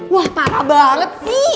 wah parah banget sih